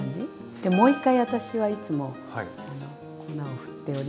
でもう一回私はいつも粉を振っております。